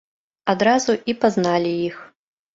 Адразу і пазналі іх.